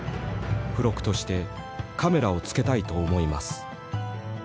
付録としてカメラを付けたいと思います」。